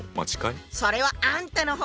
それはあんたの方ね。